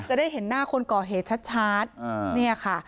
จะได้เห็นหน้าคนก่อเหตุชัดเนี่ยค่ะ